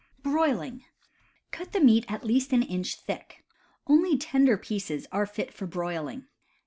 Cut the meat at least an inch thick. Only tender pieces are fit for broiling.